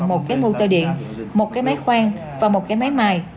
một cái mưu tơ điện một cái máy khoan và một cái máy mài